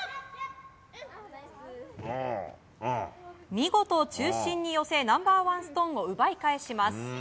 見事、中心に寄せナンバーワンストーンを奪い返します。